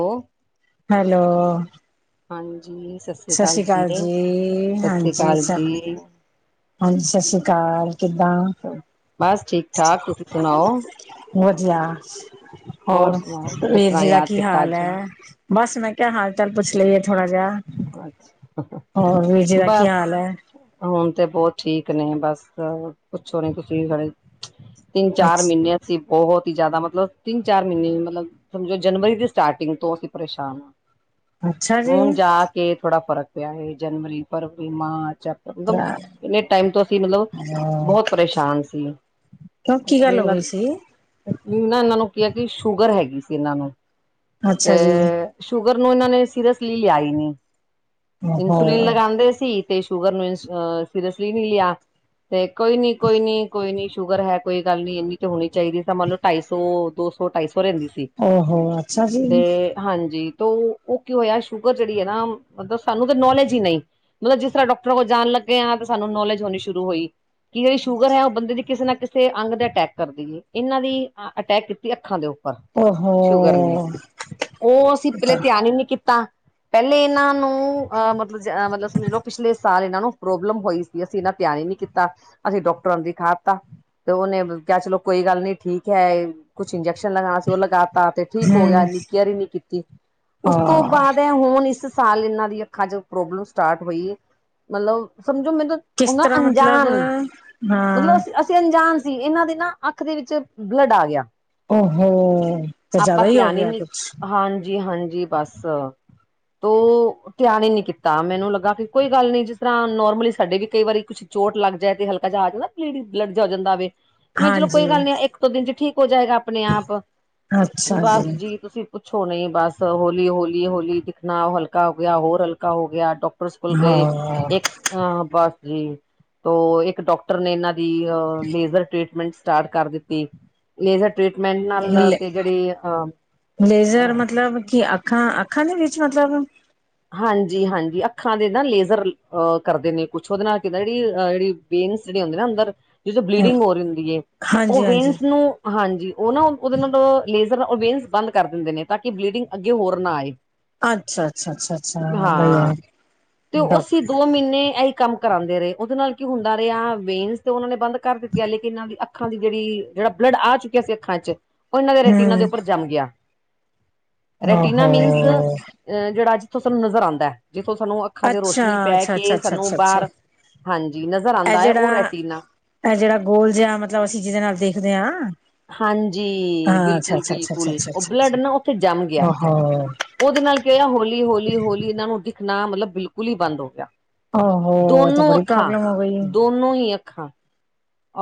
ਹੋ ਹੈਲੋ। ਸਤਿ ਸ੍ਰੀ ਅਕਾਲ ਜੀ ਸਤਿ ਸ੍ਰੀ ਹਾਂਜੀ। ਅਕਾਲ ਜੀ ਹਾਂਜੀ ਸਤਿ ਸ੍ਰੀ ਅਕਾਲ ਕਿੱਦਾਂ। ਬਸ ਠੀਕ ਠਾਕ ਤੁਸੀਂ ਸੁਣਾਓ ਵਧੀਆ ਹੋਰ ਸੁਣਾਓ ਕਿਸ ਵੀਰ ਤਰ੍ਹਾਂ ਜੀ ਦਾ ਯਾਦ ਕੀ ਕੀਤਾ ਹਾਲ ਅੱਜ ਹੈ। ਬਸ ਮੈਂ ਕਿਆ ਹਾਲ ਚਾਲ ਪੁੱਛ ਲਈਏ ਥੋੜ੍ਹਾ ਜਿਹਾ। ਅੱਛਾ ਹੋਰ ਵੀਰ ਜੀ ਦਾ ਕੀ ਬਸ ਹਾਲ ਹੈ ਹੁਣ ਤੇ ਬਹੁਤ ਠੀਕ ਨੇ ਬਸ ਕੁੱਛੋ ਨੀ ਕੁਛ ਵੀ ਖੜੇ ਤਿੰਨ ਚਾਰ ਮਹੀਨੇ ਸੀ ਬੌਤ ਹੀ ਜਿਆਦਾ ਮਤਲਬ ਤਿੰਨ ਚਾਰ ਮਹੀਨੇ ਮਤਲਬ ਸਮੋ ਜਨਵਰੀ ਦੀ ਸਟਾਰਟਿੰਗ ਤੋਂ ਅਸੀਂ ਪਰੇਸ਼ਾਨ ਹਾਂ। ਅੱਛਾ ਜੀ। ਬੜਾ ਫਰਕ ਪਿਆ ਹੈ ਜਨਵਰੀ, ਫਰਵਰੀ, ਮਾਰਚ ਮਤਲਬ ਇਨੇ ਟਾਈਮ ਤੋਂ ਅਸੀਂ ਮਤਲਬ ਬਹੁਤ ਪਰੇਸ਼ਾਨ ਸੀ। ਕਿਉਂ ਕੀ ਗੱਲ ਇਹਣੀ ਹੋ ਨਾ ਗਈ ਸੀ ਇਹਨਾਂ ਨੂੰ ਕਿਹਾ ਕਿ ਸ਼ੂਗਰ ਹੈਗੀ ਸੀ ਇਹਨਾਂ ਨੂੰ ਅੱਛਾ ਜੀ। ਗਰ ਨੂੰ ਇਹਨਾਂ ਨੇ ਸੀਰੀਅਸਲੀ ਲਿਆ ਨੀ। ਓਹੋ ਇਨਸੁਲਿਨ ਲਗਾਉਂਦੇ ਸੀ ਤੇ ਸ਼ੂਗਰ ਨੂੰ ਇ ਸੀਰੀਅਸਲੀ ਨਹੀਂ ਲਿਆ। ਤੇ ਕੋਈ ਨੀ ਕੋਈ ਨੀ ਕੋਈ ਨੀ ਸ਼ੂਗਰ ਹੈ ਕੋਈ ਗੱਲ ਨੀ ਇਨੀ ਤੇ ਹੋਣੀ ਚਾਹੀਦੀ ਮੰਨ ਲੋ ਢਾਈ ਸੌ ਦੋ ਸੌ ਢਾਈ ਸੌ ਰਹਿੰਦੀ ਸੀ ਓਹੋ ਅੱਛਾ ਜੀ ਤੇ ਹਾਂਜੀ ਤੇ ਉਹ ਕੀ ਹੋਇਆ ਸ਼ੂਗਰ ਜਿਹੜੀ ਹੈ ਨਾ ਮਤਲਬ ਸਾਨੂੰ ਤੇ ਨੌਲੇਜ ਹੀ ਨਹੀਂ ਮਤਲਬ ਜਿਸ ਤਰ੍ਹਾਂ ਡਾਕਟਰਾਂ ਕੋਲ ਜਾਣ ਲੱਗੇ ਆ ਤੇ ਸਾਨੂੰ ਨੌਲੇਜ ਹੋਣੀ ਸ਼ੁਰੂ ਹੋਈ। ਕਿ ਜਿਹੜੀ ਸ਼ੂਗਰ ਹੈ ਉਹ ਬੰਦੇ ਦੀ ਕਿਸੇ ਨਾ ਕਿਸੇ ਅੰਗ ਦੇ ਅਟੈਕ ਕਰਦੀ ਨੇ ਇਹਨਾਂ ਦੀ ਅਟੈਕ ਕੀਤੀ ਅੱਖਾਂ ਦਿਓ ਓਹੋ ਸ਼ੂਗਰ ਨੇ ਉਹ ਅਸੀਂ ਪਹਿਲੇ ਧਿਆਨ ਹੀ ਨਹੀਂ ਕੀਤਾ ਪਹਿਲੇ ਇਹਨਾਂ ਨੂੰ [inaudible] ਅਹ ਮਤਲਬ ਮਤਲਬ ਸਮਝ ਲਓ ਪਿਛਲੇ ਸਾਲ ਇਹਨਾਂ ਨੂੰ ਪ੍ਰੋਬਲਮ ਹੋਈ ਸੀ ਅਸੀਂ ਇਨਾ ਤਿਆਰ ਹੀ ਨੀ ਕੀਤਾ ਅਸੀਂ ਡਾਕਟਰ ਦੀ ਖਾ ਤਾ ਤੇ ਉਹਨੇ ਕਿਹਾ ਚਲੋ ਕੋਈ ਗੱਲ ਨੀ ਠੀਕ ਹੈ ਕੁਛ ਇੰਜੈਕਸ਼ਨ ਲਗਾਣਾ ਸੀ ਉਹ ਲਗਾਤਾ ਤੇ ਠੀਕ ਹੋ ਗਿਆ ਹਮ ਇਨੀ ਕੇਅਰ ਹੀ ਨੀ ਕੀਤੀ ਉਸ ਤੋਂ ਹਾਂ ਬਾਅਦ ਇਹ ਹੋਣ ਇਸ ਸਾਲ ਇਹਨਾਂ ਦੀ ਅੱਖਾਂ ਚ ਪ੍ਰੋਬਲਮ ਸਟਾਰਟ ਹੋਈ ਮਤਲਬ ਸਮਝੋ ਮੈਂ ਤਾਂ ਕਿਸ ਉਨਾਂ ਤਰ੍ਹਾਂ ਮਤਲਬ ਅਣਜਾਨ ਹਾਂ ਮਤਲਬ ਅਸੀਂ-ਅਸੀਂ ਅਣਜਾਨ ਇਹਨਾਂ ਦੇ ਨਾ ਅੱਖ ਦੇ ਵਿੱਚ ਬਲੱਡ ਆ ਗਿਆ। ਓ ਹੋ ਆਪਾਂ ਧਿਆਨ ਹੀ ਗਿਆ ਨੀ ਕੁਛ ਹਾਂਜੀ-ਹਾਂਜੀ ਬਸ ਤੋ ਧਿਆਨ ਹੀ ਨੀ ਕੀਤਾ ਮੈਨੂੰ ਲੱਗਾ ਕਿ ਕੋਈ ਗੱਲ ਨਹੀਂ ਜਿਸ ਤਰ੍ਹਾਂ ਨੋਰਮਲੀ ਸਾਡੇ ਵੀ ਕਈ ਵਾਰੀ ਕੁਛ ਚੋਟ ਲੱਗ ਜਾਏ ਤੇ ਹਲਕਾ ਜਿਹਾ ਆ ਜਾਂਦਾ ਬਲਡ ਜਾ ਜਾਂਦਾ ਵੇ। ਮੈਂ ਚਲੋ ਕੋਈ ਹਾਂਜੀ ਗੱਲ ਨੀ ਇੱਕ ਦੋ ਦਿਨ ਚ ਠੀਕ ਹੋ ਜਾਏਗਾ ਆਪਣੇ ਆਪ ਬਸ ਜੀ ਤੁਸੀਂ ਪੁਛੋ ਨਹੀਂ ਬਸ ਹੋਲੀ-ਹੋਲੀ-ਹੋਲੀ ਦਿਖਣਾ ਹਲਕਾ ਹੋ ਗਿਆ ਹੋਰ ਹਲਕਾ ਹੋ ਗਿਆ ਡਾਕਟਰ ਸਕੂਲ ਗਏ ਹਾਂ ਇੱਕ ਬਸ ਜੀ ਤੋ ਇੱਕ ਡਾਕਟਰ ਨੇ ਇਹਨਾਂ ਦੀ ਲੇਜਰ ਟਰੀਟਮੈਂਟ ਸਟਾਰਟ ਕਰ ਦਿੱਤੀ ਲੇਜਰ ਟ੍ਰਰੀਟਮੈਂਟ ਨਾਲ ਲੇ ਤੇ ਜਿਹੜੀ ਅ ਲੇਜ਼ਰ ਮਤਲਬ ਕੀ ਅਖਾਂ, ਅਖਾਂ ਦੀ ਸੀ ਮਤਲਬ ਹਾਂਜੀ-ਹਾਂਜੀ ਅੱਖਾਂ ਦੇ ਨਾ ਲੇਜ਼ਰ ਅ ਕਰਦੇ ਨੇ ਕੁਛ ਉਹਦੇ ਨਾਲ ਕਹਿੰਦਾ ਜਿਹੜੀ ਜਿਹੜੀ ਵੇਨਸ ਜਿਹੜੀ ਹੁੰਦੀ ਨਾ ਅੰਦਰ ਇਹ ਜੋ ਬਲੀਡਿੰਗ ਹੋ ਰਹੀ ਹੁੰਦੀ ਹੈ ਉਹ ਹਾਂਜੀ ਹਾਂਜੀ ਵੇਨਸ ਨੂੰ ਹਾਂਜੀ ਉਹ ਨਾ ਉਹਦੇ ਨਾਲ ਲੇਜ਼ਰ ਉਹ ਬੇਨਸ ਬੰਦ ਕਰ ਦਿੰਦੇ ਨੇ ਤਾਂ ਕਿ ਬਲੀਡਿੰਗ ਅੱਗੇ ਹੋਰ ਨਾ ਆਏ ਅੱਛਾ ਅੱਛਾ ਅੱਛਾ ਅੱਛਾ ਬਈਆ ਹਾਂ ਤੇ ਅਸੀਂ ਦੋ ਮਹੀਨੇ ਕੰਮ ਕਰਾਉਂਦੇ ਰਹੇ ਉਹਦੇ ਨਾਲ ਕੀ ਹੁੰਦਾ ਰਿਹਾ ਵੇਨਸ ਤੇ ਉਹਨਾਂ ਨੇ ਬੰਦ ਕਰ ਦਿੱਤੀਆ ਲੇਕਿਨਨਾਂ ਅੱਖਾਂ ਦੀ ਜਿਹੜੀ ਜਿਹੜਾ ਬਲੱਡ ਆ ਚੁੱਕਿਆ ਸੀ ਅੱਖਾਂ ਚ ਉਹ ਇਹਨਾਂ ਦੇ ਰਟੀਨਾਂ ਦੇ ਹਮ ਉੱਪਰ ਜੰਮ ਗਿਆ ਰੈਟੀਨਾ ਮੀਨਸ ਅ ਓਹੋ ਜਿਹੜਾ ਜਿਥੋਂ ਸਾਨੂੰ ਨਜ਼ਰ ਆਉਂਦਾ ਅੱਛਾ, ਅੱਛਾ ਅੱਛਾ ਅੱਛਾ ਸਾਨੂੰ ਅੱਛਾ ਅੱਛਾ ਬਾਹਰ ਹਾਂਜੀ ਨਜ਼ਰ ਇਹ ਆਂਦਾ ਹੈ ਉਹ ਜਿਹੜਾ, ਰੈਟੀਨਾ ਇਹ ਜਿਹੜਾ ਗੋਲ ਜਿਹਾ ਮਤਲਬ ਅਸੀਂ ਜਿਹਦੇ ਨਾਲ ਦੇਖਦੇ ਹਾਂ ਹਾਂਜੀ ਹਾਂ ਅੱਛਾ ਬਿਲਕੁਲ ਅੱਛਾ ਅੱਛਾ ਅੱਛਾ ਬਿਲਕੁਲ ਅੱਛਾ ਉਹ ਅੱਛਾ ਬਲੱਡ ਅੱਛਾ ਨਾ ਉੱਥੇ ਜੰਮ ਗਿਆ ਓਹੋ ਉਹਦੇ ਨਾਲ ਕੀ ਹੋਇਆ ਹੋਲੀ-ਹੋਲੀ-ਹੋਲੀ ਇਹਨਾਂ ਨੂੰ ਦਿਖਣਾ ਮਤਲਬ ਬਿਲਕੁਲ ਹੀ ਬੰਦ ਹੋ ਗਿਆ ਓਹੋ ਇਹ ਤਾਂ ਦੋਨੋ ਬੜੀ ਅੱਖਾਂ ਪ੍ਰੋਬਲਮ ਹੋ ਗਈ ਦੋਨੋ ਹੀ ਅੱਖਾਂ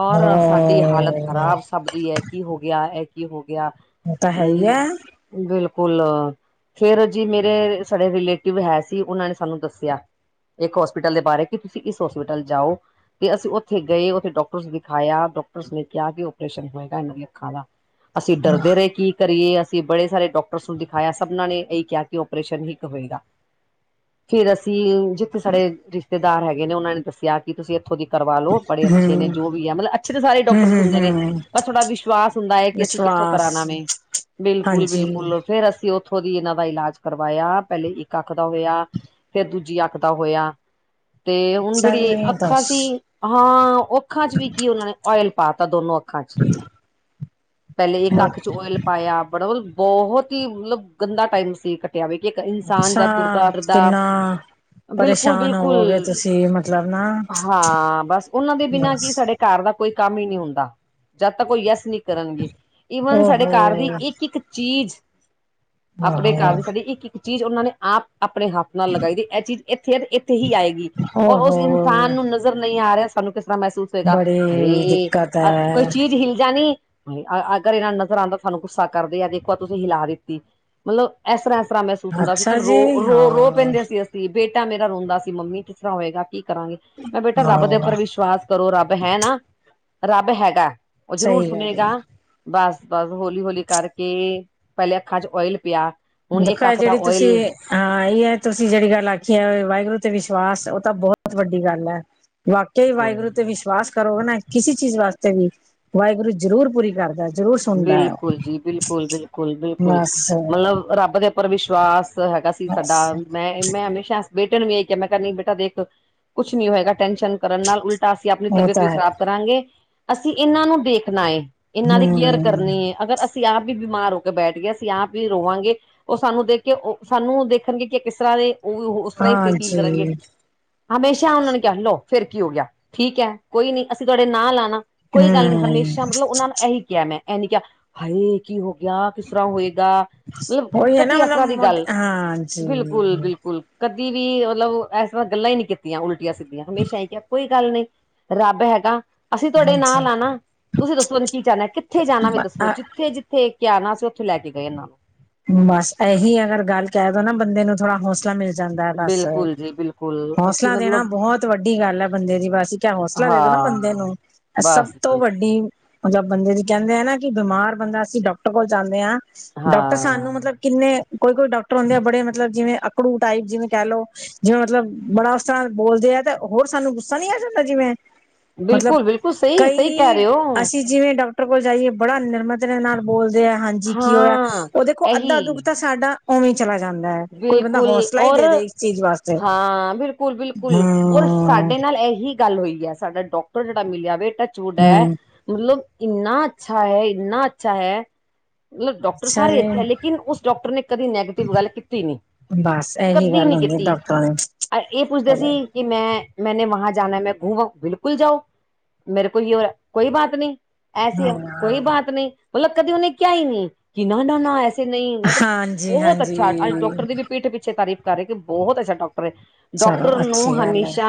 ਔਰ, ਸਾਡੀ ਹਾਲਤ ਹਾਂ ਖਰਾਬ ਸਭ ਦੀ ਇਹ ਕੀ ਹੋ ਗਿਆ, ਇਹ ਕੀ ਹੋ ਗਿਆ ਇਹ ਤਾ ਹੈ ਹੀ ਹੈ ਹਮ ਬਿਲਕੁਲ ਫੇਰ ਜੀ ਮੇਰੇ ਸਾਡੇ ਰਿਲੇਟਿਵ ਹੈ ਸੀ ਉਹਨਾਂ ਨੇ ਸਾਨੂੰ ਦੱਸਿਆ ਇੱਕ ਹੋਸਪਿਟਲ ਦੇ ਬਾਰੇ ਕਿ ਤੁਸੀਂ ਇਸ ਹੋਸਪਿਟਲ ਜਾਓ ਤੇ ਅਸੀਂ ਉੱਥੇ ਗਏ ਉਥੇ ਡਾ ਡਾਕਟਰਸ ਦਿਖਾਇਆ ਡਾਕਟਰਸ ਨੇ ਕਿਹਾ ਕਿ ਓਪਰੇਸ਼ਨ ਹੋਏਗਾ ਇਹਨਾਂ ਦੀ ਅੱਖਾਂ ਦਾ ਅਸੀਂ ਡਰਦੇ ਰਹੇ ਕੀ ਕਰੀਏ ਅਸੀਂ ਬੜੇ ਸਾਰੇ ਡਾਕਟਰਸ ਨੂੰ ਦਿਖਾਇਆ ਸਭਨਾਂ ਨੇ ਇ ਕਿਹਾ ਕਿ ਓਪਰੇਸ਼ਨ ਹੀ ਇੱਕ ਹੋਏਗਾ ਫੇਰ ਅਸੀਂ ਜਿੱਥੇ ਸਾਡੇ ਰਿਸ਼ਤੇਦਾਰ ਹੈਗੇ ਨੇ ਉਹਨਾਂ ਨੇ ਦੱਸਿਆ ਕਿ ਤੁਸੀਂ ਇੱਥੋਂ ਦੀ ਕਰਵਾ ਲੋ ਬੜੇ ਅੱਛੇ ਹਮ ਤੇ ਜੋ ਵੀ ਹੈ ਮਤਲਬ ਅੱਛੇ ਸਾਰੇ ਹਮ ਡਾਕਟਰ ਹਮ ਹੁੰਦੇ ਨੇ ਹਮ ਬਸ ਥੋਡਾ ਵਿਸ਼ਵਾਸ ਹੁੰਦਾ ਹੈ ਕਿ ਅਸੀਂ ਕਿੱਥੋਂ ਵਿਸ਼ਵਾਸ ਕਰਾਣਾ ਵੇ ਹਾਂਜੀ ਬਿਲਕੁਲ-ਬਿਲਕੁਲ ਫੇਰ ਅਸੀਂ ਉ ਉੱਥੋਂ ਦੀ ਇਹਨਾਂ ਦਾ ਇਲਾਜ ਕਰਵਾਇਆ ਪਹਿਲੇ ਇੱਕ ਅੱਖ ਦਾ ਹੋਇਆ ਫੇਰ ਦੂਜੀ ਅੱਖ ਦਾ ਹੋਇਆ [inaudible] ਤੇ ਹੁਣ ਜਿਹੜੀ ਸਹੀ ਅੱਖਾਂ ਦੱਸ ਸੀ ਹਾਂ ਅੱਖਾਂ ਚ ਵੀ ਕੀ ਉਹਨਾਂ ਨੇ ਓਇਲ ਪਾ ਤਾ ਦੋਨੋ ਅੱਖਾਂ ਅੱਖਾਂ ਚ ਪਹਿਲੇ ਇੱਕ ਕੱਖ ਚ ਓਇਲ ਪਾਇਆ ਬੜਾ ਬਹੁਤ ਹੀ ਮਤਲਬ ਗੰਦਾ ਟਾਈਮ ਸੀ ਕੱਟਿਆ ਵੀ ਕਿ ਇੱਕ ਇਨਸਾਨ ਅੱਛਾ ਦਾ ਤੁਰਦਾ ਫਿਰਦਾ ਕਿੰਨਾ ਪਰੇਸ਼ਾਨ ਬਿਲਕੁਲ-ਬਿਲਕੁਲ ਹੋਵੋਗੇ ਤੁਸੀਂ ਮਤਲਬ ਨਾ ਹਾਂ ਬਸ ਉਹਨਾਂ ਦੇ ਬਿਨਾਂ ਬਸ ਕੀ ਸਾਡੇ ਘਰ ਦਾ ਕੋਈ ਕੰਮ ਹੀ ਨਹੀਂ ਹੁੰਦਾ ਜਦ ਤੱਕ ਕੋਈ ਯਸ ਨੀ ਕਰਨਗੇ ਈਵਨ ਸਾਡੇ ਘਰ ਦੀ ਓਹੋ ਇੱਕ-ਇੱਕ ਚੀਜ਼ ਆਪਣੇ ਆਹੋ ਘਰ ਦੀ ਸਾਡੀ ਇੱਕ ਇੱਕ ਚੀਜ਼ ਉਹਨਾਂ ਨੇ ਆਪ ਆਪਣੇ ਹੱਥ ਨਾਲ ਲਗਾਈ ਦੀ ਇਹ ਚੀਜ਼ ਇੱਥੇ ਇੱਥੇ ਹੀ ਆਏਗੀ ਔਰ ਉਸ ਓਹੋ ਇਨਸਾਨ ਨੂੰ ਨਜ਼ਰ ਨਹੀਂ ਆ ਰਿਹਾ ਸੀ ਸਾਨੂੰ ਕਿਸ ਤਰ੍ਹਾਂ ਮਹਿਸੂਸ ਹੋਏਗਾ। ਬੜੀ ਹੇ ਦਿੱਕਤ ਅ ਕੋਈ ਹੈ ਚੀਜ਼ ਹਿਲ ਜਾਣੀ ਅਗਰ ਇਹਨਾਂ ਨਾਲ ਨਜ਼ਰ ਆਉਂਦਾ ਤੁਹਾਨੂੰ ਗੁੱਸਾ ਕਰਦੇ ਆ ਦੇਖੋ ਆ ਤੁਸੀਂ ਹਿਲਾ ਦਿੱਤੀ ਮਤਲਬ ਇਸ ਤਰ੍ਹਾਂ ਮਹਿਸੂਸ ਹੁੰਦਾ ਸੀ ਤੇ ਅੱਛਾ ਰੋ ਜੀ ਰੋ ਰੋ ਹਾਂ ਪੈਂਦੇ ਸੀ, ਅਸੀਂ ਬੇਟਾ ਮੇਰਾ ਰੋਂਦਾ ਸੀ ਮੰਮੀ ਤ ਤਰਾ ਹੋਏਗਾ ਕੀ ਕਰਾਂਗੇ ਮੈਂ ਬੇਟਾ ਰੱਬ ਦੇ ਹਾਂ ਉੱਪਰ ਵਿਸ਼ਵਾਸ ਕਰੋ ਰੱਬ ਹੈ ਨਾ ਰੱਬ ਹੈਗਾ। ਉਹ ਜ਼ਰੂਰ ਸਹੀ ਗੱਲ ਹੈ ਸੁਣੇਗਾ। ਬਸ ਬਸ ਹੌਲੀ ਹੌਲੀ ਕਰਕੇ ਪਹਿਲੇ ਅੱਖਾਂ ਚ ਓਇਲ ਪਿਆ। ਹੁਣ ਦੇਖੋ ਇੱਕ ਹੈ। ਅੱਖ ਦਾ ਜਿਹੜੀ ਤੁਸੀਂ ਓਇਲ ਹਾਂ ਇਹ ਹੈ ਤੁਸੀਂ ਜਿਹੜੀ ਗੱਲ ਆਖੀ ਹੈ। ਵਾਹਿਗੁਰੂ ਤੇ ਵਿਸ਼ਵਾਸ ਤਾਂ ਬਹੁਤ ਵੱਡੀ ਗੱਲ ਹੈ। ਵਾਕਿਆ ਕੋਲ ਵਾਹਿਗੁਰੂ ਤੇ ਵਿਸ਼ਵਾਸ ਕਰੋਗੇ ਨਾ। ਕਿਸੇ ਚੀਜ਼ ਵਾਸਤੇ ਵੀ ਵਾਹਿਗੁਰੂ ਜ਼ਰੂਰ ਪੂਰੀ ਕਰਦ ਬਿਲਕੁਲ ਜੀ, ਬਿਲਕੁਲ ਬਿਲਕੁਲ ਬਿਲਕੁਲ ਬਸ ਮਤਲਬ ਰੱਬ ਦੇ ਉੱਪਰ ਵਿਸ਼ਵਾਸ ਹੈਗਾ ਸੀ। ਸਾਡਾ ਬਸ ਮੈਂ ਮੈਂ ਹਮੇਸ਼ਾ ਬੇਟੇ ਨੂੰ ਵੀ ਇਹ ਕਿਹਾ, ਮੈਂ ਕਿਹਾ ਨ ਬੇਟਾ ਦੇਖ ਕੁਛ ਨੀ ਹੋਏਗਾ ਟੈਨਸ਼ਨ ਕਰਨ ਨਾਲ ਉਲਟ ਤਾਂ ਅਸੀਂ ਆਪਣੀ ਉਹ ਤਬੀਅਤ ਵੀ ਤਾਂ ਹੈ ਖ਼ਰਾਬ ਕਰਾਂਗੇ। ਅਸੀਂ ਇਹਨਾਂ ਨੂੰ ਦੇਖਣਾ ਏ ਇਹਨਾਂ ਦੀ ਕੇਅਰ ਹਮ ਕਰਨੀ ਐ। ਅਗਰ ਅਸੀ ਅਸੀਂ ਆਪ ਹੀ ਬਿਮਾਰ ਹੋ ਕੇ ਬੈਠ ਗਏ ਅਸੀਂ ਆਪ ਹੀ ਰੋਵਾਂਗੇ ਉਹ ਸਾਨੂੰ ਦੇਖ ਕੇ ਉਹ ਸਾਨੂੰ ਦੇਖਣਗੇ ਕਿ ਕਿਸ ਤਰ੍ਹਾਂ ਦੇ ਉਹ ਵੀ ਉਸ ਤਰ੍ਹਾਂ ਹੀ ਫੇ ਫੀਲ ਕਰਨਗੇ ਹਾਂਜੀ ਹਮੇਸ਼ਾ ਉਹਨਾਂ ਨੇ ਕਿਹਾ ਲਓ। ਫਿਰ ਕੀ ਹੋ ਗਿਆ। ਠੀਕ ਹੈ, ਕੋਈ ਨੀ ਅਸੀਂ ਤੁਹਾਡੇ ਨਾਂਲ ਹਾਂ ਨਾ ਕੋਈ ਗੱਲ ਨਹੀਂ ਹਮ ਹਮੇਸ਼ਾ ਮਤਲਬ ਉਹਨਾਂ ਨੂੰ ਇਹੀ ਕਿਹਾ ਮੈਂ ਇਹ ਨੀ ਕਿਹਾ। ਹਾਏ ਕੀ ਹੋ ਗਿਆ ਗਿਆ ਕਿਸ ਤਰ੍ਹਾਂ ਹੋਏਗਾ। ਮਤਲਬ ਉਹੀ ਹੈ ਨਾ ਕੱਧੀ ਇਸ ਮਤਲਬ ਤਰ੍ਹਾਂ ਦੀ ਮੋਟੀ ਗੱਲ। ਹਾਂਜੀ ਬਿਲਕੁਲ-ਬਿਲਕੁਲ ਕਦੀ ਵੀ ਮਤਲਬ ਇਸ ਤਰ੍ਹਾਂ ਗੱਲਾਂ ਹੀ ਨਹੀਂ ਕੀਤੀਆਂ ਉਲਟੀਆਂ-ਸਿੱਧੀਆਂ। ਹਮੇਸ਼ਾ ਹੀ ਕਿਹਾ ਕੋਈ ਗੱਲ ਨੀ। ਰੱਬ ਹੈਗਾ। ਅਸੀਂ ਤੁਹਾਡੇ ਹਾਂਜੀ ਨਾਲ ਹਾਂ ਨਾ। ਤੁਸੀਂ ਦੱਸੋ ਹੁਨ ਕੀ ਚਾਹੁੰਦੇ ਓ, ਕਿ ਜੱਥੇ ਜਾਣਾ ਵੀ ਦੱਸੋ। ਜਿੱਥੇ-ਜਿੱਥੇ ਕਿਹਾ ਨਾ, ਅਸੀਂ ਉੱਥੇ ਲੈ ਕੇ ਗਏ ਇਹਨਾਂ ਨੂੰ ਬਸ ਇਹੀ ਅਗਰ ਗੱਲ ਕਹਿ ਦੋ ਨਾ ਬੰਦੇ ਨੂੰ ਥੋੜਾ ਹੌਸਲਾ ਮਿਲ ਜਾਂਦਾ ਹੈ। ਬਸ ਬਿਲਕੁਲ ਜੀ ਬਿਲਕੁਲ ਅਸੀਂ ਹੌਸਲਾ ਦੇਣਾ ਮਤਲਬ ਬਹੁਤ ਵੱਡੀ ਗੱਲ ਹੈ ਬੰਦੇ ਦੀ। ਬਸ ਇੱਕ ਐ ਹੌਸਲਾ ਦੇ ਦੋ ਨਾ ਹਾਂ ਬੰਦੇ ਨੂੰ। ਇਹ ਸਭ ਸਭ ਬਸ ਤੋਂ ਜੀ ਵੱਡੀ ਮਤਲਬ ਬੰਦੇ ਦੀ, ਕਹਿੰਦੇ ਆ ਨਾ। ਕਿ ਬਿਮਾਰ ਬੰਦਾ, ਅਸੀਂ ਡਾਕਟਰ ਕੋਲ ਜਾਂਦੇ ਆ। ਡਾਕ ਤਾਂ ਸਾਨੂੰ ਹਾਂ ਮਤਲਬ ਕਿੰਨੇ ਕੋਈ-ਕੋਈ ਡਾਕਟਰ ਹੁੰਦੇ ਆ ਬੜੇ ਮਤਲਬ ਜਿਵੇਂ ਅਕੜੂ ਟਾਈਪ, ਜਿਵੇਂ ਕਹਿਲਓ। ਜਿਵੇਂ ਮਤਲਬ ਬੜਾ ਉਸ ਤਰ੍ਹਾਂ ਬੋਲਦੇ ਤਾਂ, ਹੋਰ ਸਾਨੂੰ ਗੁੱਸ੍ਹਾ ਨੀ ਆ ਜਾਂਦਾ ਜਿਵੇਂ ਮਤਲਬ ਬਿਲਕੁਲ ਬਿਲਕੁਲ ਸਹੀ ਸਹੀ ਕਹਿ ਕਈ, ਰਹੇ ਹੋ ਅਸੀਂ ਜਿਵੇਂ ਡਾ ਕੋਲ ਜਾਈਏ ਬੜਾ ਨਿਰਮਤ ਨਾਲ ਬੋਲਦੇ ਆ ਹਾਂਜੀ ਕੀ ਹੋਇਆ? ਹਾਂ ਉਹ ਦੇਖੋ ਅੱਧਾ ਦੁੱਖ ਇਹੀ ਤਾਂ ਸਾਡਾ ਉਵੇਂ ਚਲਾ ਜਾਂਦਾ ਹੈ ਕੋਈ ਬੰਦਾ ਬਿਲਕੁਲ। ਹੌਸਲਾ ਹੀ ਔਰ, ਦੇ ਦੇ ਇਸ ਚੀਜ਼ ਵਾਸਤੇ ਹਾਂ। ਬਿਲਕੁਲ-ਬਿਲਕੁਲ। ਔਰ ਸਾ ਹੂੰ ਸਾਡੇ ਨਾਲ ਇਹੀ ਗੱਲ ਹੋਈ ਹੈ। ਸਾਡਾ ਡਾਕਟਰ ਜਿਹੜਾ ਮਿਲਿਆਵੇ। ਟੱਚਵੁਡ ਹੈ। ਹੂੰ ਮਤਲਬ ਇੰਨਾ ਅੱਛਾ ਹੈ। ਇੰਨਾ ਅੱਛਾ ਹੈ ਮਤਲਬ ਡਾਕਟਰ ਅੱਛਾ ਸਾਰੇ ਅੱਛੇ, ਜੀ ਲੇਕਿਨ ਉਸ ਡਾਕਟਰ ਨੇ ਕਦੇ ਨੈਗੇਟਿਵ ਗੱਲ ਕੀਤੀ ਕਦੀ ਨਹੀਂ, ਬਸ ਇਹੀ ਕਦੀ ਗੱਲ ਨੀ ਹੁੰਦੀ ਹੈ ਕੀਤੀ। ਡਾਕਟਰਾਂ ਦੀ ਇਹ ਪੁੱਛਦੇ ਚਲੋ ਸੀ, ਕਿ ਮੈਂ ਮੈਨੇ ਵਾਂ ਜਾਨਾ ਹੈ, ਮੈਂ ਘੁੰਮ ਆਊ? ਬਿਲਕੁਲ ਜਾਓ। ਮੇਰੇ ਕੋ ਯ ਹੋਇਆ। ਕੋਈ ਬਾਤ ਨੀ। ਐਸੇ ਆ। ਕੋਈ ਹਾਂ ਬਾਤ ਨੀ। ਮਤਲਬ ਕਦੇ ਉਹਨੇ ਕਿਹਾ ਹੀ ਨਹੀਂ ਕਿ ਨਾ ਨਾ ਨਾ ਐਸ ਨਹੀਂ ਮਤਲਬ ਹਾਂਜੀ ਬਹੁਤ ਹਾਂਜੀ ਅੱਛਾ, ਅੱਜ ਡਾਕਟਰ ਦੀ ਵੀ ਪੀਠ ਪਿੱਛੇ ਤਾਰੀਫ਼ ਕਰ ਰਹੇ ਕਿ ਬਹੁਤ ਅੱਛਾ ਡਾਕਟਰ ਚਲੋ ਡਾਕਟਰ ਅੱਛੀ ਨੂੰ ਗੱਲ ਹੈ ਹਮੇਸ਼ਾ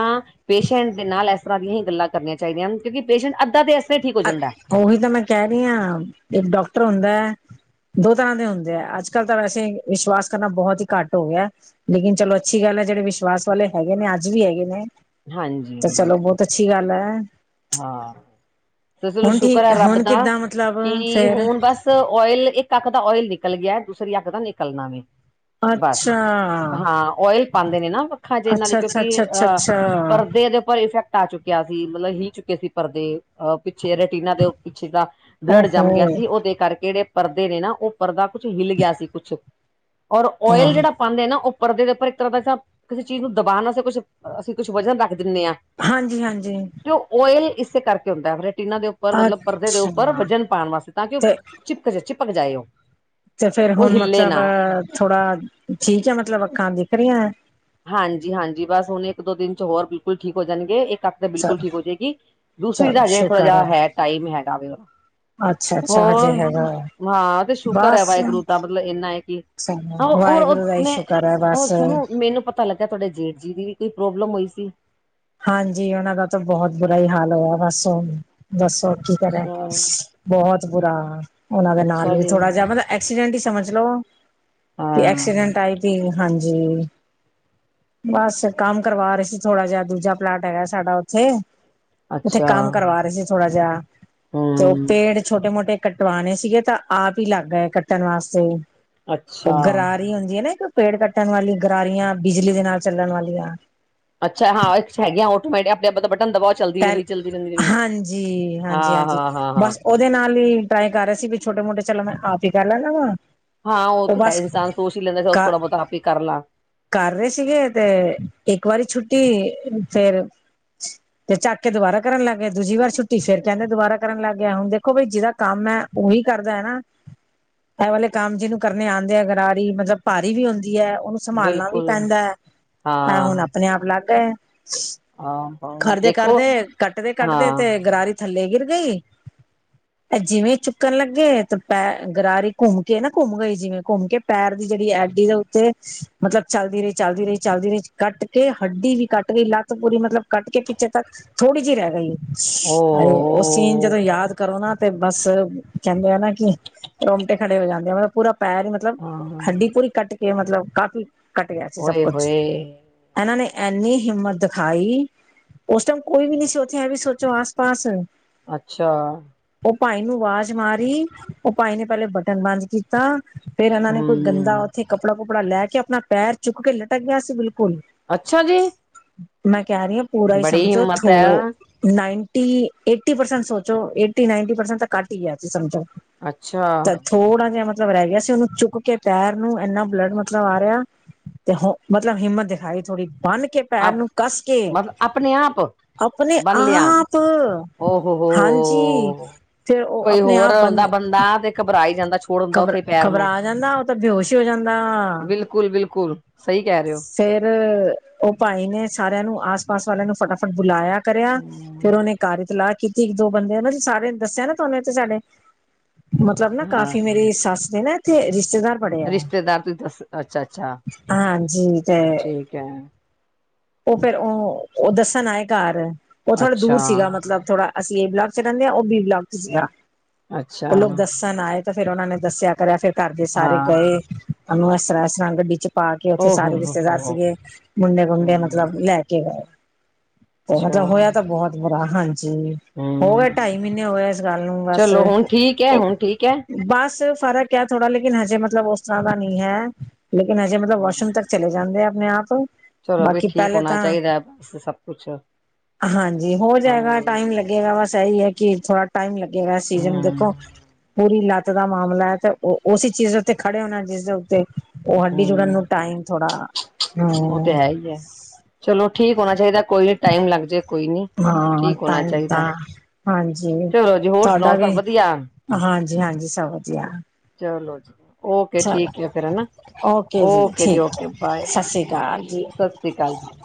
ਪੇਸ਼ੈਂਟ ਦੇ ਨਾਲ ਏਸ ਬਾਲਿਆਂ ਹੀ ਗੱਲਾਂ ਕਰਨੀਆਂ ਚਾਹੀਦੀਆਂ ਹਨ। ਕਿਉਂ ਕਿ ਪੇਸ਼ੰਟ ਅੱਧਾ ਤੇ ਇਹ ਅ ਉਹੀ ਤਾਂ ਮੈਂ ਕਹਿ ਰਹੀ ਹਾਂ। ਇੱਕ ਡਾਕਟਰ ਹੁੰਦਾ ਦੋ ਤਰ੍ਹਾਂ ਦੇ ਹੁੰਦੇ ਆ। ਅੱਜ ਕੱਲ੍ਹ ਤਾਂ ਵੈਸੇ ਵਿਸ਼ਵਾਸ ਕਰਨਾ ਬਹੁਤ ਹੀ ਘੱਟ ਹੋ ਗਿਆ। ਲੇਕਿਨ ਚਲੋ, ਅੱਛੀ ਗੱਲ ਪਹਿਲਾਂ ਜਿਹੜੇ ਵਿਸ਼ਵਾਸ ਵਾਲੇ ਹੈਗੇ ਨੇ, ਅੱਜ ਵੀ ਹੈਗੇ ਨੇ ਹਾਂਜੀ। ਤੇ ਚਲੋ ਬਹੁਤ ਅੱਛੀ ਗੱਲ ਐ। ਹਾਂ ਚਲੋ ਸ਼ੁਕਰ ਠੀਕ ਹੈ ਰੱਬ ਹੁਣ ਦਾ ਕਿੱਦਾਂ ਮਤਲਬ ਕਿ ਫੇਰ ਹੁਣ ਬਸ ਓਇਲ ਇੱਕ ਅੱਖ ਦਾ ਓਇਲ ਨਿਕਲ ਗਿਆ, ਦੂਸਰੀ ਅੱਖ ਦਾ ਨਿਕਲਣਾ ਵੇ। ਬਸ ਅੱਛਾ। ਹਾਂ। ਓਇਲ ਪਾਉਂਦੇ ਨੇ ਨਾ, ਵੱਖਾਂ ਜੇ ਇਹਨਾਂ ਦੇ ਅੱਛਾ ਅੱਛਾ ਕਿਉਂਕਿ ਅੱਛਾ ਅੱਛਾ ਅਹ ਅੱਛਾ ਪਰਦੇ ਦੇ ਉੱਪਰ ਇਫੈਕਟ ਆ ਚੁੱਕੇ ਕਿਹਾ ਸੀ। ਮਤਲਬ ਹੀ ਚੁੱਕੇ ਸੀ ਪਰਦੇ। ਅਹ ਪਿੱਛੇ ਰਟੀਨਾ ਦੇ ਪਿੱਛੇ ਦਾ ਬਲੱਡ ਓਹੋ ਜੰਮ ਗਿਆ ਸੀ। ਉਹਦੇ ਕਰਕੇ ਜਿਹੜੇ ਪਰਦੇ ਨੇ ਨਾ ਉਹ ਪਰਦਾ ਕੁਛ ਹਿਲ ਗਿਆ ਸੀ ਕੁਛ ਔਰ ਓਇਲ ਆਹੋ ਜਿਹੜਾ ਪਾਉਂਦੇ ਨਾ ਉਹ ਪਰਦੇ ਦੇ ਉੱਪਰ ਇੱਕ ਤਰ੍ਹਾਂ ਦਾ ਕਿਸੇ ਚੀਜ਼ ਨੂੰ ਦਬਾਣਾ ਕੁਛ ਅਸੀਂ ਕੁਛ ਵਜ਼ਨ ਰੱਖ ਹਾਂਜੀ-ਹਾਂਜੀ। ਤੇਲ ਇਸੇ ਕਰਕੇ ਹੁੰਦਾ ਹੈ, ਰਟੀਨਾ ਦੇ ਉੱਪਰ ਮਤਲਬ ਪਰਦੇ ਦੇ ਅੱਛਾ ਉੱਪਰ ਵਜਨ ਪਾਉਣ ਵਾਸਤੇ ਤਾਂ ਕਿ ਉਹ ਤੇ ਚਿਪਕ ਚ ਚਿਪ ਭਗ ਜਾਇਓ ਤੇ ਫੇਿਰ ਹੁਣ ਮਤਲਬ ਥੋੜਾ ਠੀਕ ਹੈ, ਮਤਲਬ ਅੱਖਾਂ ਦਿਖ ਰਹੀਆਂ ਹੈ? ਹਾਂਜੀ-ਹਾਂਜੀ। ਬਸ ਹੁਣ ਇੱਕ-ਦੋ ਦਿਨਾਂ ਚ ਹੋਰ ਬਿਲਕੁਲ ਠੀਕ ਹੋ ਜਾਣਗੇ ਇੱਕ ਤੱਕ ਤਾਂ ਬਿਲਕੁਲ ਚਲੋ ਠੀਕ ਹੋ ਜਾਏਗੀ। ਦੂਸਰੀ ਚਲੋ ਦਾ ਹਜੇ ਥੋੜਾ ਸ਼ੁਕਰ ਜਹਾ ਹੈ ਟਾਈਮ ਹੈਗਾ ਵੇ ਹੋਰ? ਅੱਛਾ ਅੱਛਾ ਹਜੇ ਹੈਗਾ ਹਾਂ, ਤੇ ਸ਼ੁਕਰ ਹੈ ਬਸ ਵਾਹਿਗੁਰੂ ਦਾ ਮਤਲਬ ਇੰਨਾ ਹੈ ਕਿ ਸਾਨੂੰ ਹਹ ਉਹ ਵਾਹਿਗੁਰੂ ਦਾ ਹੀ ਮੈਂ, ਸ਼ੁਕਰ ਹੈ ਉਹ ਬਸ ਸੁਣੋ, ਮੈਨੂੰ ਪਤਾ ਲੱਗ ਤੁਹਾਡੇ ਜੇਠ ਜੀ ਦੀ ਵੀ ਕੋਈ ਪ੍ਰੋਬਲਮ ਹੋਈ ਸੀ? ਹਾਂਜੀ। ਉਹਨਾਂ ਦਾ ਤਾਂ ਬਹੁਤ ਬੁਰਾ ਹੀ ਹਾਲ ਹੋਇਆ ਬਸ ਹੁਣ ਦੱਸੋ। ਕੀ ਕਰਹਾ। ਅੱਛਾ, ਬਹੁਤ ਬੁਰਾ ਉਹਨਾਂ ਦੇ ਨਾਲ ਅੱਛਾ ਵੀ। ਜੀ ਥੋੜਾ ਜਿਹਾ ਮਤਲਬ ਐਕਸੀਡੈਂਟ ਹੀ ਸਮਝ ਲੋ। ਕੀ ਹਾਂ ਐਕਸੀਡੈਂਟ ਆਈ ਜੀ। ਹਾਂਜੀ। ਜੀ। ਬਸ ਕੰਮ ਕਰਵਾ ਰਹੇ ਸੀ, ਥੋੜਾ ਜਿਹਾ। ਦੂਜਾ ਪਲਾਟ ਹੈਗਾ ਸਾਡਾ ਉੱਥੇ, ਉੱਥੇ ਅੱਛਾ ਕੰਮ ਕਰਵਾ ਰਹੇ ਸੀ ਥੋੜਾ ਜਿਹਾ। ਤੇ ਉਹ ਹੂੰ ਪੇੜ ਛੋਟੇ ਮੋਟੇ ਕੱਟਵਾਣੇ ਸੀਗੇ ਤਾਂ ਆਪ ਹੀ ਲੱਗ ਹੈ ਕੱਟਣ ਵਾਸਤੇ ਅੱਛਾ ਉਹ ਗਰਾਰੀ ਹੀ ਹੁੰਦੀ ਹੈ ਨਾ ਇੱਕ ਪੇੜ ਕੱਟਣ ਵਾਲੀਆਂ ਗਰਾਰੀਆਂ ਬਿਜਲੀ ਦੇ ਨਾਲ ਚੱਲਣ ਵਾਲੀਆਂ ਅੱਛਾ ਹਾਂ ਹੈਗੀਆਂ ਟੋਮੈਟ ਆਪਣੇ ਆਪਲ ਪਹਿਲ ਹਾਂਜੀ ਹਾਂਜੀ ਹਾਂਜੀ ਹਾਂ-ਹਾਂ-ਹਾਂ-ਹਾਂ ਹਾਂ ਹਾਂ ਹਾਂ ਬਸ ਉਹਦੇ ਨਾਲ ਹੀ ਤਾਂ ਹੀ ਕਰ ਰਹੇ ਸੀ ਵੀ ਛੋਟੇ ਮੋਟੇ ਚਲੋ ਮੈਂ ਆਪ ਹੀ ਕਰ ਲੈ ਲਾ ਵਾਂ ਹਾਂ ਉਹ ਤਾਂ ਹੈ ਇਨਸਾਨ ਸੋਚ ਹੀ ਲੈਂਦਾ ਸੀ ਕਰ ਥੋੜਾ ਬਹੁਤਾ ਆਪ ਹੀ ਕਰ ਲ ਕਰ ਰਹੇ ਸੀਗੇ ਤੇ ਇੱਕ ਵਾਰੀ ਛੁੱਟੀ ਫੇਰ ਤੇ ਚੱਕ ਕੇ ਦੁਬਾਰਾ ਕਰਨ ਲੱਗ ਗਿਆ ਦੂਜੀ ਵਾਰ ਛੁੱਟੀ ਫੇਿਰ ਕਹਿੰਦੇ ਦੁਬਾ ਕਰਨ ਲੱਗ ਗਿਆ ਹੁਣ ਦੇਖੋ ਬਾਈ ਜਿਹਦਾ ਕੰਮ ਵੀ ਕਰਦਾ ਹੈ ਨਾ ਇਹ ਵਾਲੇ ਕੰਮ ਜਿਹਨੂੰ ਕਰਨੇ ਆਉਂਦੇ ਆ ਗਰਾਰੀ ਮਤਲਬ ਭਾਰੀ ਵੀ ਹੁੰਂਦੀ ਹੈ ਉਹਨੂੰ ਸੰਭਾਲਣਾ ਵੀ ਬਿਲਕੁਲ ਪੈਂਦਾ ਹੈ ਹਹ ਹੁਣ ਹਾਂ ਆਪਣੇ ਆਪ ਅਲੱਗ ਹੈ ਹਾਂ ਕਰਦੇ ਦੇਖੋ ਕਰਦੇ ਕੱਟਦੇ ਕੱਟਦੇ ਤੇ ਗਰਾਰੀ ਥੱਲੇ ਗਿਰ ਗਈ ਤੇ ਜਿਵੇਂ ਚੁੱਕਣ ਲੱਗੇ ਤੇ ਪੈ ਗਰਾਰੀ ਘੁੰਮ ਕੇ ਨਾ ਘੁੰਮ ਗਈ ਜਿਵੇਂ ਘੁੰਮ ਕੇ ਪੈਰ ਦੀ ਜਿਹੜੀ ਐਡੀ ਦੇ ਉੱਤੇ ਮਤਲਬ ਚੱਲਦੀ ਰਹੀ ਚੱਲਦੀ ਰਹੀ ਚੱਲਦੀ ਰਹੀ ਕੱਟ ਕੇ ਹੱਡੀ ਵੀ ਕੱਟ ਗਈ ਲੱਗ ਪੂਰੀ ਮਤਲਬ ਕੱਟ ਕੇ ਪਿੱਛੇ ਤੱਕ ਥੋੜੀ ਜਿਹੀ ਰਹਿ ਗਈ ਅ ਉਹ ਸੀਨ ਜਦੋਂ ਯਾਦ ਕਰੋ ਨਾ ਤੇ ਬਸ ਕਹਿੰਦੇ ਆ ਨਾ ਕਿ ਰਮਟੇ ਖੜੇ ਹੋ ਜਾਂਦੇ ਆ ਮਤਲਬ ਪੂਰਾ ਪੈ ਰਹੀ ਮਤਲਬ ਹਾਂ ਹੱਡੀ ਪੂਰੀ ਕੱਟ ਕੇ ਮਤਲਬ ਕਾਫ਼ੀ ਘੱਟ ਗਿਆ ਸੀ ਸਭ ਓਏ ਕੁਛ ਹੋਏ ਇਹਨਾਂ ਨੇ ਇੰਨੀ ਹਿੰਮਤ ਦਿਖਾਈ ਉਸ ਟਾਈਮ ਕੋਈ ਵੀ ਨਹੀਂੀ ਸੀ ਉੱਥੇ ਐਂ ਵੀ ਸੋਚੋ ਆਸ ਪਾਸ ਅੱਛਾ ਉਹ ਭਾਈ ਨੂੰ ਆਵਾਜ਼ ਮਾਰੀ ਉਹ ਭਾਈ ਨੇ ਪਹਿਲੇ ਬਟਨ ਬੰਦ ਕੀਤਾ ਫੇਰ ਇਹਨਾਂ ਨੇ ਕੋਈ ਗੰਦਾ ਹਮ ਉੱਥੇ ਕੱਪੜਾ ਕੁੱਪੜਾ ਲੈ ਕੇ ਆਪਣਾ ਪੈਰ ਚੁੱਕ ਕੇ ਲਟਕ ਗਿਆ ਸੀ ਬਿਲਕੁਲ ਅੱਛਾ ਜੀ ਮੈਂ ਕਹਿ ਰਹੀ ਹਾਂ ਪੂਰਾ ਹੀ ਬੜੀ ਸਮਝੋ ਹਿੰਮਤ ਹੈ ਥ ਨਾਈਨ ਏਟੀ ਪਰਸੈਂਟ ਸੋਚੋ ਏਟੀ ਨਨਟੀ ਪਰਸੈਂਟ ਤਾਂ ਘੱ ਹੀ ਸਮਝੋ ਅੱਛਾ ਤਾਂ ਥੋੜਾ ਜਿਹਾ ਮਤਲਬ ਮਤਲਬ ਰਹਿ ਗਿਆ ਸੀ ਉਹਨੂੰ ਚੁੱਕ ਕੇ ਪੈਰ ਨੂੰ ਇੰਨਾ ਬਲੱਡ ਮਤਲਬ ਆ ਰਿਹਾ ਤੇ ਹ ਮਤਲਬ ਹਿੰਮਤ ਦਿਖਾਈ ਥੋੜ੍ਹੀ ਬੰਨ ਕੇ ਪੈਰ ਆਪ ਨੂੰ ਕੱਸ ਕੇ ਮਤਲਬ ਆਪਣੇ ਆਪ ਆਪਣੇ ਬਣ ਲਿਆ ਆਪ ਹੋ ਹਾਂਜੀ ਫਿਰ ਉਹ ਕੋਈ ਆਪਣੇ ਹੋਰ ਆਪ ਬੰ ਹਦਾ ਬੰਦਾ ਤੇ ਕਬਰਾ ਘਬਰਾ ਘਬਰਾ ਜਾਂਦਾ ਉਹ ਤਾਂ ਬੇਹਸ਼ ਹੀ ਹੋ ਜਾਂਦਾ ਬਿਲਕੁਲ ਬਿਲਕੁਲ ਸਹੀ ਕਹਿ ਰਹੇ ਹੋ ਫੇਰ ਉਹ ਭਾਈ ਨੇ ਸਾਰਿਆਂ ਨੂੰ ਆਸ ਪਾਸ ਵਾਲਿਆਂ ਨੂੰ ਫਟਾਫਟ ਬੁਲਾਇਆ ਕਰਿਆ ਹਮ, ਫਿਰ ਉਹਨੇ ਕਾਰਿਤਲਾ ਕੇ ਕੀਤੀ ਇੱਕ ਦੋ ਬੰਦੇ ਸਾਰੇਿਆਂ ਦੱਸਿਆ ਨਾ ਤੁਹਨੂੰ ਤੇ ਸਾਡੇ ਮਤਲਬ ਨਾ ਹਾਂ ਕਾਫੀ ਮੇਰੀ ਸੱਸ [unintelligible] ਰਿਸ਼ਤੇਦਾਰ ਪੜਿਆ ਰਿਸ਼ਤੇਦਾਰ ਤੁਸੀਂ ਦੱਸ ਅੱਛਾ ਅੱਛਾ ਹਾਂਜੀ ਤੇ ਠੀਕ ਹੈ ਉਹ ਫੇਿਰ ਉਹ ਉਹ ਦੱਸਣ ਆਏ ਘਰ ਉਹ ਥੋੜਾ ਅੱਛਾ, ਦੂਰ ਸੀਗਾ ਮਤਲਬ ਥੋੜਾ ਅਸੀਂ ਏ ਬਲਾਗ ਚ ਰਹਿੰਦੇ ਹਾਂ ਉਹ ਬੀ ਬਗ ਚ ਸੀਗਾ ਅੱਛਾ ਉਹ ਲੋਕ ਦੱਸਣ ਆਏ ਤੇ ਫੇਿਰ ਉਹਨਾਂ ਨੇ ਦੱਸਿਆ ਕਰਿਆ ਫੇਰ ਘਰਦੇ ਸਾਰੇ ਹਾਂ, ਗਏ ਉਹਨੂੰ ਇਸ ਤਰ੍ਹਾਂ ਇਸ ਤਰ੍ਹਾਂ ਗੱਡੀ ਚ ਪਾ ਕੇ ਓ ਉੱਥੇ ਹੋ ਸਾਰੇ ਹੋ ਰਿਸ਼ਤੇਦਾਰ ਹੋ। ਸੀਗੇ ਮੁੰਡੇ ਗੁੰਡੇ ਹੂੰ, ਮਤਲਬ ਲੈ ਕੇ ਗਏ ਤੇ ਅੱਛਾ ਮਤਲਬ ਹੋਇਆ ਤਾਂ ਬਹੁਤ ਬੁਰਾ ਹਾਂਜੀ ਜ ਹੋ ਗਿਆ ਹੂੰ। ਢਾਈ ਮਹੀਨੇ ਹੋ ਗਏ ਇਸ ਗੱਲ ਨੂੰ ਬਸ ਚਲੋ ਹੁਣ ਠੀਕ ਐ, ਹੁਣ ਠੀਕ ਐ। ਬਸ ਫ਼ਰਕ ਹੈ ਥੋੜਾ ਲੇਕਿਨ ਹਜੇ ਮਤਲਬ ਉਸ ਤਰ੍ਹਾਂ ਦਾ ਨਹੀਂ ਹੈ ਲੇਕਿਨ ਹਜੇ ਮਤਲਬ ਵਾਸ਼ਰੂਮ ਤ ਚਲੇ ਜਾਂਦੇ ਆ ਆਪਣੇ ਆਪ ਚਲੋ ਵੀ ਬਾਕੀ ਠੀਕ ਪਹਿਲੇ ਹੋਣਾ ਤਾਂ ਚਾਹੀਦਾ ਬਸ ਸਭ ਕੁਛ ਹਾਂਜੀ ਹੋ ਜਾਏਗਾ ਹੂੰ, ਟਾਈਮ ਲੱਗੇਗਾ ਬਸ ਇਹੀ ਹੈ ਕਿ ਥੋੜਾ ਟਾਈਮ ਲੱਗੇਗਾ ਸੀਜ਼ਨ ਦੇਖੋ ਪੂਰੀ ਲ ਦਾ ਮਾਮਲਾ ਹੈ ਤੇ ਉਹ ਉਸੇ ਚੀਜ਼ ਦੇ ਉੱਤੇ ਖੜੇ ਹੋਣਾ ਜਿਸਦੇ ਉੱਤੇ ਉਹ ਹੱਡੀ ਜੁੜਨ ਨੂੰ ਟਾਈਮ ਥੋੜ੍ਹਾ ਉਹ ਤੇ ਹੈ ਹੀ ਹੈ ਚਲੋ ਠੀਕ ਹੋਣਾ ਚਾਹੀਦਾ ਕੋਈ ਨੀ ਟਾਈਮ ਲੱਗ ਜੇ ਕੋਈ ਨੀ ਹਾਂ ਠੀਕ ਤਾਂ ਹੋਣਾ ਹੀ ਤਾ ਚਾਈਦਾ, ਹਾਂਜੀ ਚਲੋ ਜੀ ਹੋਰ ਤੁਹਾਡਾ ਸੁਣਾਓ ਸਭ ਵੀ ਵਧੀਆ? ਹਾਂਜੀ ਹਾਂਜੀ ਸਭ ਵਧੀਆ ਚਲੋ ਜੀ ਓਕੇ ਠੀਕ ਚਲੋ ਹੈ ਫੇਰ ਹਨਾ ਓਕੇ ਜੀ ਠੀਕ ਓਕੇ ਬਾਏ ਸਤਿ ਬਾਏ ਸ੍ਰੀ ਅਕਾਲ ਜੀ ਸਤਿ ਸ਼੍ਰੀ ਅਕਾਲ ਜੀ।